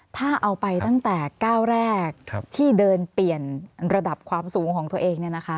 ถ้าเอาไปตั้งแต่ก้าวแรกที่เดินเปลี่ยนระดับความสูงของตัวเอง